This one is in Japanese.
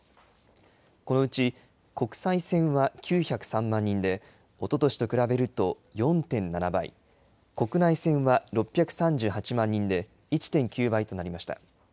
このうち、国際線は９０３万人で、おととしと比べると４．７倍、国内線は６３８万人で１．９倍となりました。